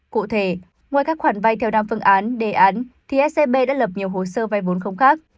cụ thể ngoài các khoản vay theo đam phương án đề án thì scb đã lập nhiều hồ sơ vai vốn không khác